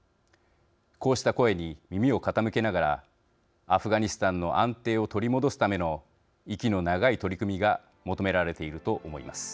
こうした声に耳を傾けながらアフガニスタンの安定を取り戻すための息の長い取り組みが求められていると思います。